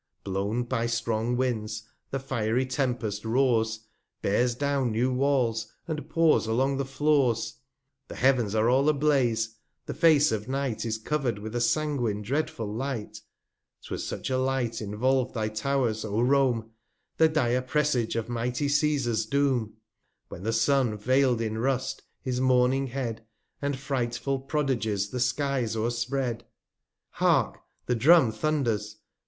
Blown by strong Winds the fiery Tempest roars, Bears down new Walls, and pours along the Floors : The Heav'ns are all a blaze, the Face of Night 375 Is cover'd with a sanguine dreadful Light ; 'Twas such a Light involved thy Tow'rs, O Rome, The dire Presage of mighty C&sars Doom, When the Sun veiPd in Rust his mourning Head, And frightful Prodigies the Skies o'erspread. 380 Hark! the Drum thunders!